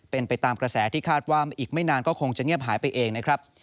เป็นไปตามกระแสที่คาดว่าอีกไม่นานก็คงจะเงียบหายไปเองนะครับ